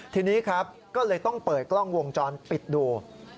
ทีนี้ครับก็เลยต้องเปิดกล้องวงจรปิดดู